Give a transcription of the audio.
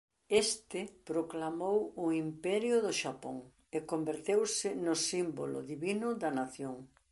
Este proclamou o Imperio do Xapón e converteuse no símbolo divino da nación.